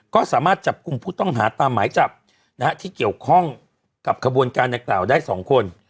ก็สามารถจับกลุ่มผู้ต้องหาตามหมายจับที่เกี่ยวข้องกับขบวนการดังกล่าวได้๒คน